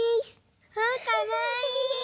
あかわいい！